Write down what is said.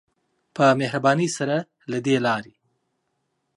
په مهربانی سره له دی لاری.